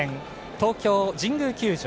東京・神宮球場。